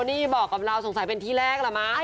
นี่บอกกับเราสงสัยเป็นที่แรกล่ะมั้ง